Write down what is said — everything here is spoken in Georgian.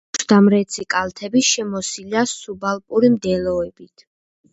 აქვს დამრეცი კალთები, შემოსილია სუბალპური მდელოებით.